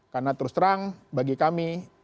karena terus terang bagi kami